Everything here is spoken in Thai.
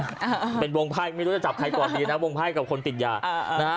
อ่าเป็นวงไพ่ไม่รู้จะจับใครก่อนดีนะวงไพ่กับคนติดยาอ่านะฮะ